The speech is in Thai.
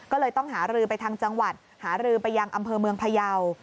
ก็เลยต้องหารือไปทางจังหวัดหารือไปยังอำเภอเมืองพยาว